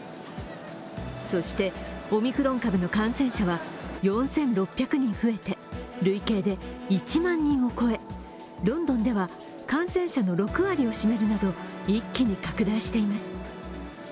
そして、オミクロン株の感染者は４６００人増えて累計で１万人を超え、ロンドンでは感染者の６割を占めるなど一気に拡大しています。